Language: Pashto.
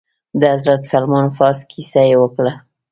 د حضرت سلمان فارس كيسه يې وكړه.